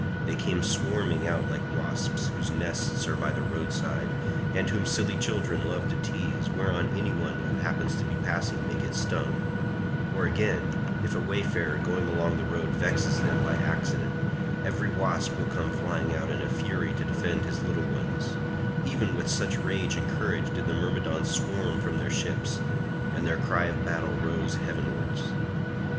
They came swarming out like wasps whose nests are by the roadside, and whom silly children love to tease, whereon any one who happens to be passing may get stung—or again, if a wayfarer going along the road vexes them by accident, every wasp will come flying out in a fury to defend his little ones—even with such rage and courage did the Myrmidons swarm from their ships, and their cry of battle rose heavenwards.